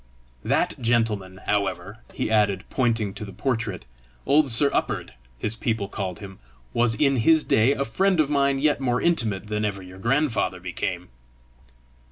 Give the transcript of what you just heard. That gentleman, however," he added, pointing to the portrait, "old Sir Up'ard, his people called him, was in his day a friend of mine yet more intimate than ever your grandfather became."